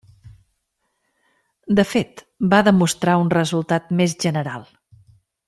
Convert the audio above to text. De fet, va demostrar un resultat més general.